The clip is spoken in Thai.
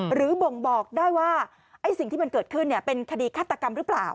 บ่งบอกได้ว่าไอ้สิ่งที่มันเกิดขึ้นเป็นคดีฆาตกรรมหรือเปล่า